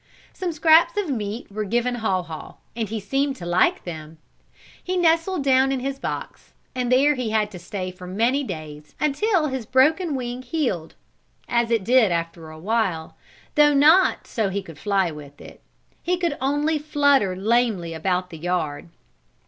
Some scraps of meat were given Haw Haw and he seemed to like them. He nestled down in his box, and there he had to stay for many days, until his broken wing healed, as it did after a while, though not so he could fly with it. He could only flutter lamely about the yard.